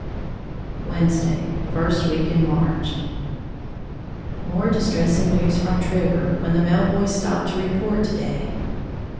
Wednesday, first week in March. More distressing news from Trigger, when the mail boy stopped to report to day.